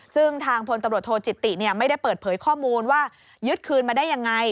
ซึ่งทางพลตำรวจโทจิติไม่ได้เปิดเผยข้อมูลว่ายึดคืนมาได้ยังไง